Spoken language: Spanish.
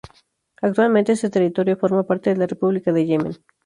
Actualmente este territorio forma parte de la República de Yemen.